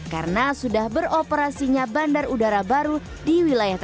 karena sudah beroperasinya bandar udara baru di wilayahnya